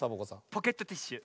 ポケットティッシュ。